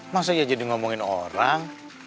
masa ya jadi ngomongin orang